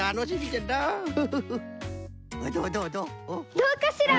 どうかしら？